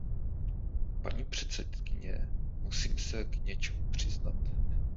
Paní předsedkyně, musím se k něčemu přiznat.